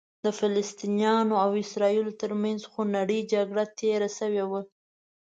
د فلسطینیانو او اسرائیلو ترمنځ خونړۍ جګړه تېره شوې وه.